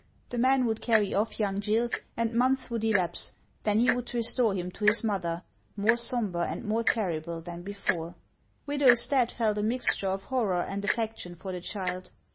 The man would carry off young 192 HANS OF ICELAND. Gill, and months would elapse ; then he would restore him to his mother, more sombre and more terrible than before. Widow Stadt felt a mixture of horror and affection for the child.